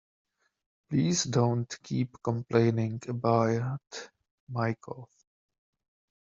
Please don't keep complaining about my cough